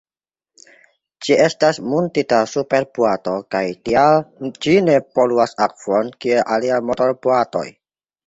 Ĝi estas muntita super boato kaj tial ĝi ne poluas akvon kiel aliaj motorboatoj.